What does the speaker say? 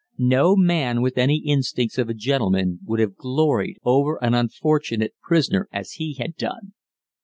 No man with any instincts of a gentleman would have gloried over an unfortunate prisoner as he had done.